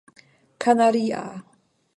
kanaria